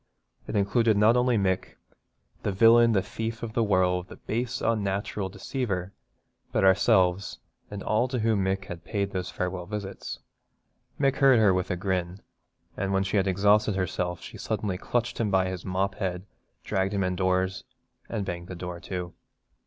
It included not only Mick, 'the villain, the thief of the world, the base unnatural deceiver,' but ourselves, and all to whom Mick had paid those farewell visits. Mick heard her with a grin, and when she had exhausted herself she suddenly clutched him by his mop head, dragged him indoors, and banged the door to.